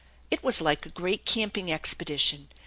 It was like a great camping expedition.